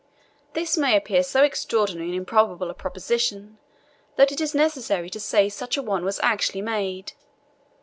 [This may appear so extraordinary and improbable a proposition that it is necessary to say such a one was actually made.